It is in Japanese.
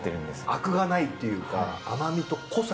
アクがないっていうか甘みと濃さ。